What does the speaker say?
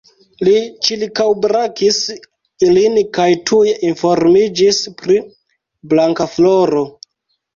Li ĉirkaŭbrakis ilin kaj tuj informiĝis pri Blankafloro.